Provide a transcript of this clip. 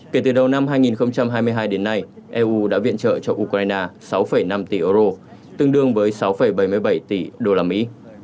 kể từ đầu năm hai nghìn hai mươi hai đến nay eu đã viện trợ cho ukraine sáu năm tỷ euro tương đương với sáu bảy mươi bảy tỷ đô la mỹ